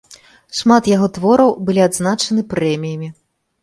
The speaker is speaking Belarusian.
Шмат яго твораў былі адзначаны прэміямі.